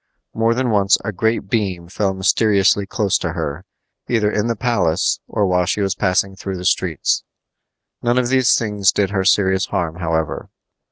More than once a great beam fell mysteriously close to her, either in the palace or while she was passing through the streets. None of these things did her serious harm, however.